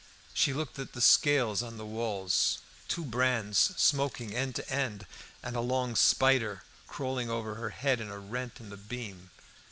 She looked at the scales on the walls, two brands smoking end to end, and a long spider crawling over her head in a rent in the beam.